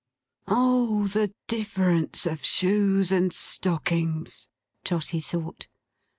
'Oh, the difference of shoes and stockings!' Trotty thought.